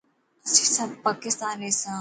اسين سب پاڪستان رهيسان.